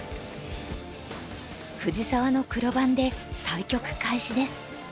藤沢の黒番で対局開始です。